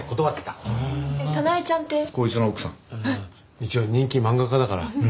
一応人気漫画家だから。